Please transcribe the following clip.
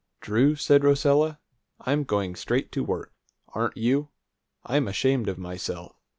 "Drew," said Rosella, "I'm going straight to work. Aren't you? I'm ashamed of myself.